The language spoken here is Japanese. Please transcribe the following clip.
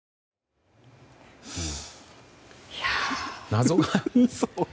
謎が多そう。